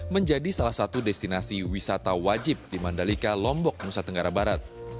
menjadi salah satu destinasi wisata wajib di mandalika lombok nusa tenggara barat